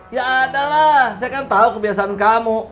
ya ada lah saya kan tahu kebiasaan kamu